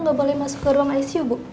nggak boleh masuk ke ruang icu bu